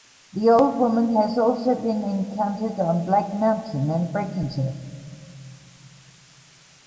The Old Woman has also been encountered on Black Mountain in Breconshire.